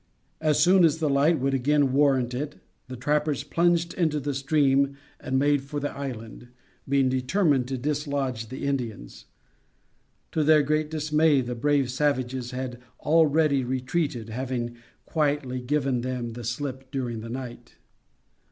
As soon as the light would again warrant it, the trappers plunged into the stream and made for the island, being determined to dislodge the Indians. To their great dismay the brave savages had already retreated having quietly given them the slip during the night.